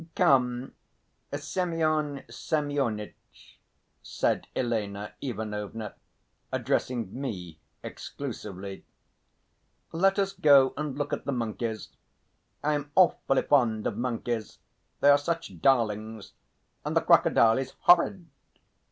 "Come, Semyon Semyonitch," said Elena Ivanovna, addressing me exclusively, "let us go and look at the monkeys. I am awfully fond of monkeys; they are such darlings ... and the crocodile is horrid."